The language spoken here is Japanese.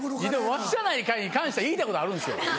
「わしやないかい」に関しては言いたいことあるんですよ。